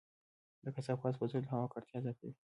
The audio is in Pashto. د کثافاتو سوځول د هوا ککړتیا زیاته کوي.